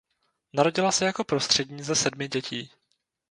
Narodila se jako prostřední ze sedmi dětí.